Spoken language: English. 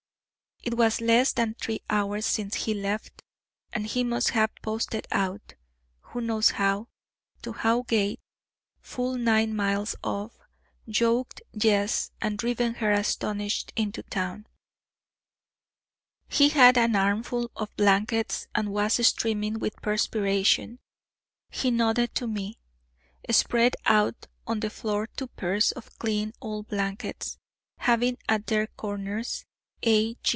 It was less than three hours since he left, and he must have posted out who knows how to Howgate, full nine miles off; yoked Jess, and driven her astonished into town. He had an armful of blankets, and was streaming with perspiration. He nodded to me, spread out on the floor two pairs of clean old blankets, having at their corners "A.